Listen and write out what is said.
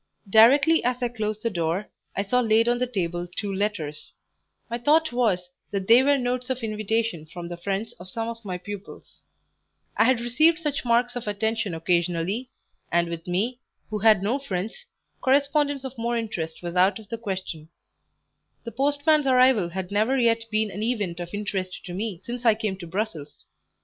DIRECTLY as I closed the door, I saw laid on the table two letters; my thought was, that they were notes of invitation from the friends of some of my pupils; I had received such marks of attention occasionally, and with me, who had no friends, correspondence of more interest was out of the question; the postman's arrival had never yet been an event of interest to me since I came to Brussels.